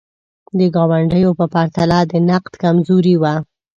د ګاونډیو په پرتله د نقد کمزوري وه.